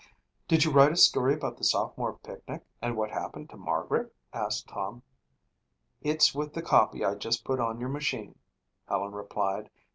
"Did you write a story about the sophomore picnic and what happened to Margaret?" asked Tom. "It's with the copy I just put on your machine," Helen replied.